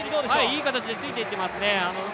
いい形でついて行っていますね。